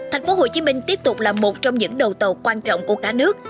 thành phố hồ chí minh tiếp tục là một trong những đầu tàu quan trọng của cả nước